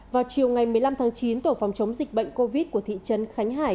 vào chiều ngày một mươi năm tháng chín tổ phòng chống dịch bệnh covid của thị trấn khánh hải